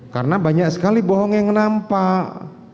karena banyak sekali bohong yang nampak